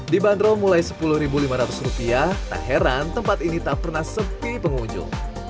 dibanderol mulai rp sepuluh lima ratus tak heran tempat ini tak pernah sepi pengunjung